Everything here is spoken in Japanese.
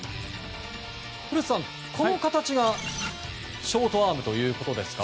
古田さん、この形がショートアームということですか。